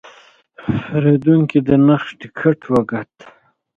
پیرودونکی د نرخ ټکټ وکت.